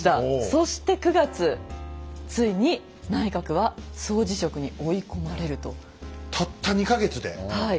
そして９月ついに内閣は総辞職に追い込まれると。